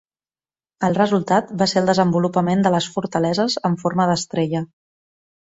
El resultat va ser el desenvolupament de les fortaleses en forma d'estrella.